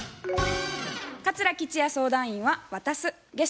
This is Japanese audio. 桂吉弥相談員は「渡す」